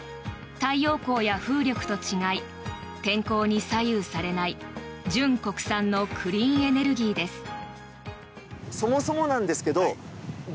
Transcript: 太陽光や風力と違い天候に左右されない純国産のクリーンエネルギーです。